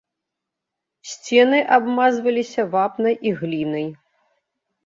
Сцены абмазваліся вапнай і глінай.